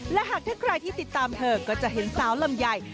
และหากถ้าใครที่ติดตามเธอก็จะเห็นสาวลำไย